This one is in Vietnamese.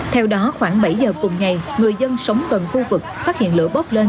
theo đó khoảng bảy giờ cùng ngày người dân sống gần khu vực phát hiện lửa bốc lên